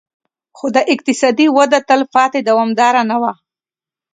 خو دا اقتصادي وده تلپاتې او دوامداره نه وه